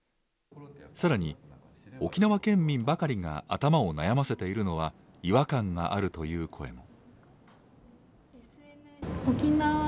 さらに、沖縄県民ばかりが頭を悩ませているのは違和感があるという声も。